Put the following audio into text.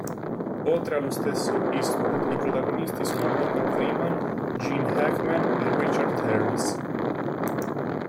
Oltre allo stesso Eastwood, i protagonisti sono Morgan Freeman, Gene Hackman e Richard Harris.